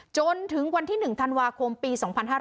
จนถึงวันที่๑ธันวาคมปี๒๕๕๙